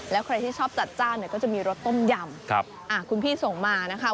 แล้วใครที่ชอบจัดจ้านเนี่ยก็จะมีรสต้มยำคุณพี่ส่งมานะคะ